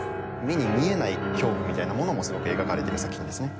目に見えない恐怖みたいなものもすごく描かれている作品ですね。